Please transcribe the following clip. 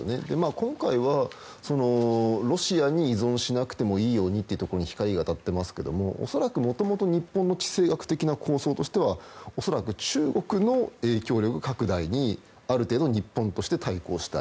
今回は、ロシアに依存しなくてもいいようにというところに光が当たってますけども恐らくもともと日本の地政学的な構想としては恐らく、中国の影響力拡大にある程度、日本として対抗したい。